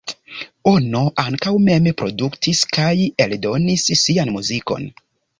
Ono ankaŭ mem produktis kaj eldonis sian muzikon.